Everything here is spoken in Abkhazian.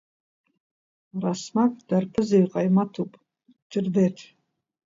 Расмаг дарԥызаҩ ҟаимаҭуп Ҭердеҭ!